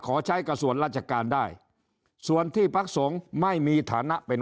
ขอใช้กระส่วนราชการได้ส่วนที่ปรักษงไม่มีสถานะเป็น